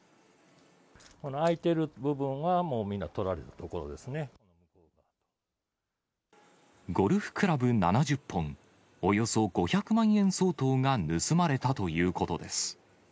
この空いてる部分は、ゴルフクラブ７０本、およそ５００万円相当が盗まれたということです。